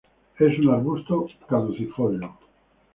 Es un arbusto caducifolio.